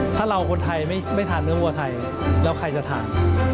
ถ้าเราคนไทยไม่ทานเนื้อวัวไทยแล้วใครจะทาน